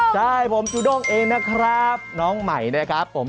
ใช่ผมจูด้งเองนะครับน้องใหม่นะครับผม